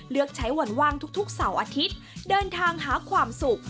ทุกเสาร์อาทิตย์เดินทางหาความสุข